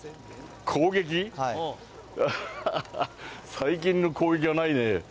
最近の攻撃はないね。